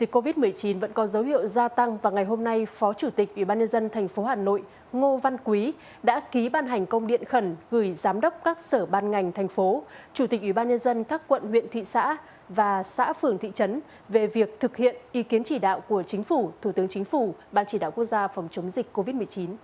covid một mươi chín vẫn có dấu hiệu gia tăng và ngày hôm nay phó chủ tịch ubnd tp hà nội ngô văn quý đã ký ban hành công điện khẩn gửi giám đốc các sở ban ngành thành phố chủ tịch ủy ban nhân dân các quận huyện thị xã và xã phường thị trấn về việc thực hiện ý kiến chỉ đạo của chính phủ thủ tướng chính phủ ban chỉ đạo quốc gia phòng chống dịch covid một mươi chín